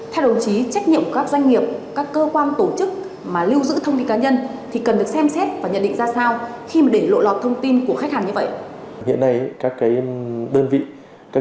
theo đồng chí trách nhiệm của các doanh nghiệp các cơ quan tổ chức mà lưu giữ thông tin cá nhân thì cần được xem xét và nhận định ra sao khi để lộ lọt thông tin của khách hàng như vậy